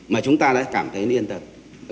mà chúng ta đã cảm thấy niên tật